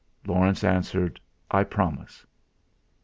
Laurence answered: "I promise."